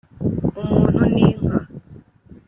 Umuntu n’inka